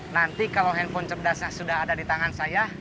nanti kalau handphone cerdasnya sudah ada di tangan saya